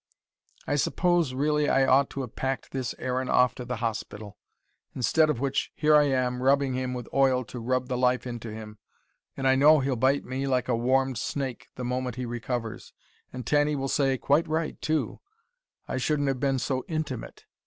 "I suppose really I ought to have packed this Aaron off to the hospital. Instead of which here am I rubbing him with oil to rub the life into him. And I KNOW he'll bite me, like a warmed snake, the moment he recovers. And Tanny will say 'Quite right, too,' I shouldn't have been so intimate.